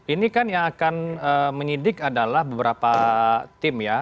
ini kan yang akan menyidik adalah beberapa tim ya